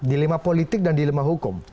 dilema politik dan dilema hukum